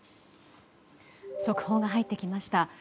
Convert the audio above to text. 速報が入ってきました。